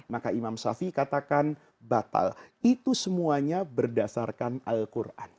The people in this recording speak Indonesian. maka imam shafi'i katakan batal itu semuanya berdasarkan al qur'an